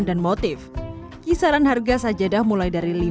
pakaian model yang terjangkau dan berbeda dengan pakaian model yang terjangkau